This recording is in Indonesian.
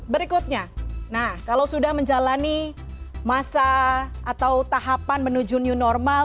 berikutnya nah kalau sudah menjalani masa atau tahapan menuju new normal